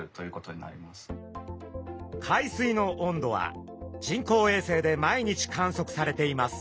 海水の温度は人工衛星で毎日観測されています。